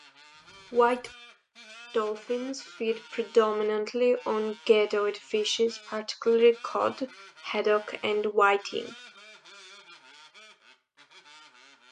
White-beaked dolphins feed predominantly on gadoid fishes, particularly cod, haddock, and whiting.